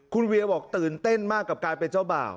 คุณเวียบอกตื่นเต้นมากกับการเป็นเจ้าบ่าว